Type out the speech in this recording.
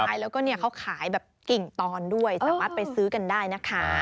ใช่แล้วก็เนี่ยเขาขายแบบกิ่งตอนด้วยสามารถไปซื้อกันได้นะคะ